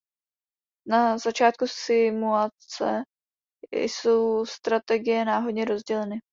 Na začátku simulace jsou strategie náhodně rozděleny.